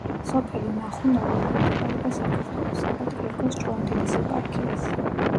სოფელი ნახუნავო ექვემდებარება საქართველოს საპატრიარქოს ჭყონდიდის ეპარქიას.